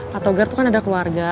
pak togar itu kan ada keluarga